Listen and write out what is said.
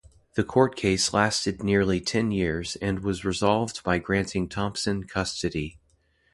The court case lasted nearly ten years and was resolved by granting Thompson custody.